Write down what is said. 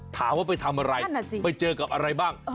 ถามว่าไปทำอะไรไปเจอกับอะไรบ้าง